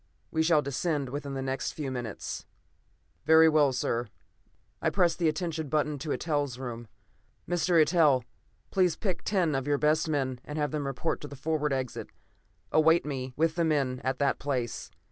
We shall descend within the next few minutes." "Very well, sir." I pressed the attention button to Eitel's room. "Mr. Eitel, please pick ten of your best men and have them report at the forward exit. Await me, with the men, at that place.